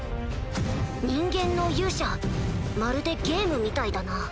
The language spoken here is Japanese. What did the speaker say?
人間の勇者まるでゲームみたいだな。